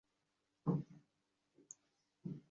সুরমা মুখ তুলিয়া চাহিল, আর কিছু বলিল না।